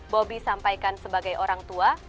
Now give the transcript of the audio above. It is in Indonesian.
bobi sampaikan sebagai orang tua